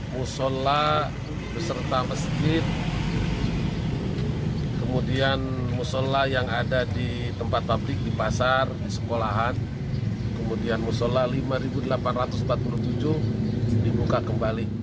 musola beserta masjid kemudian musola yang ada di tempat pabrik di pasar di sekolahan kemudian musola lima delapan ratus empat puluh tujuh dibuka kembali